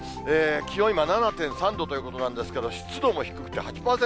気温、今７．３度ということなんですけど、湿度も低くて８％。